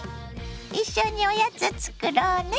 一緒におやつ作ろうね。